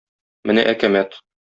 Менә әкәмәт.